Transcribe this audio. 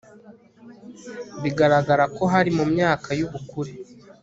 bigararagara ko hari mu myaka y'ubukure